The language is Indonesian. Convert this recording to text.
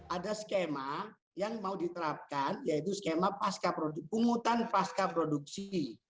ada skema yang mau diterapkan yaitu skema pungutan pasca produksi